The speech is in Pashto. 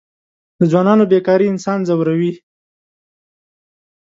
د ځوانانو بېکاري انسان ځوروي.